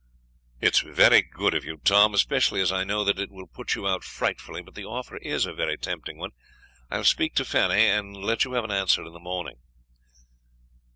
"It is very good of you, Tom, especially as I know that it will put you out frightfully; but the offer is a very tempting one. I will speak to Fanny, and let you have an answer in the morning."